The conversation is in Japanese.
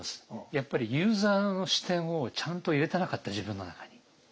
やっぱりユーザーの視点をちゃんと入れてなかった自分の中に。